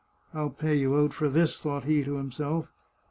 " I'll pay you out for this," thought he to himself.